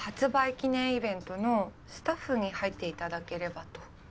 記念イベントのスタッフに入っていただければと。